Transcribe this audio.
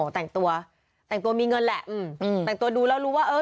แต่งตัวแต่งตัวมีเงินแหละอืมแต่งตัวดูแล้วรู้ว่าเออ